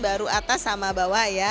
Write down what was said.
baru atas sama bawah ya